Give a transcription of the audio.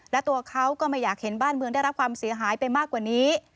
และตัวเขาก็ไม่อยากเห็นบ้านเมืองได้รับความเสียหายไปมากกว่านี้